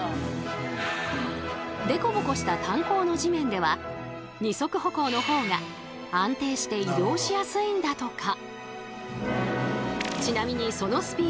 デコボコした炭鉱の地面では二足歩行のほうが安定して移動しやすいんだとか。